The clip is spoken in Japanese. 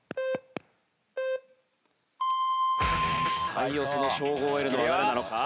最遅の称号を得るのは誰なのか？